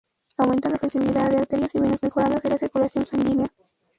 Aumenta la flexibilidad de arterias y venas, mejorando así la circulación sanguínea.